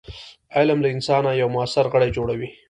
علم له انسانه یو موثر غړی جوړوي.